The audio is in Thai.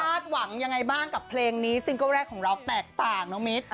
คาดหวังยังไงบ้างกับเพลงนี้ซึ่งก็แรกของเราแตกต่างเนาะมิท